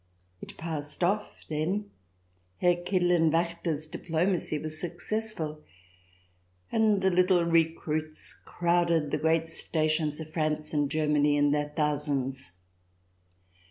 It passed off then; Herr Kidderlen Waechter's diplomacy was successful, and the little recruits crowded the great stations of France and Germany in their thousands.